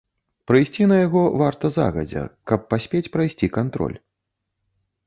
Прыйсці на яго варта загадзя, каб паспець прайсці кантроль.